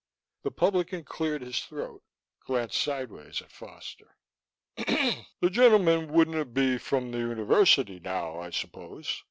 The publican cleared his throat, glanced sideways at Foster. "The gentlemen wouldna be from the University now, I suppose?"